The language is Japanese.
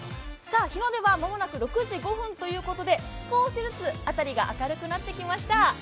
日の出は間もなく６時５分ということで少しずつ辺りが明るくなってきました。